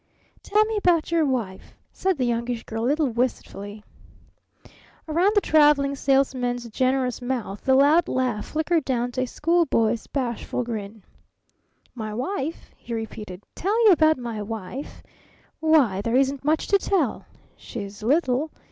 "Tell me about your wife," said the Youngish Girl a little wistfully. Around the Traveling Salesman's generous mouth the loud laugh flickered down to a schoolboy's bashful grin. "My wife?" he repeated. "Tell you about my wife? Why, there isn't much to tell. She's little.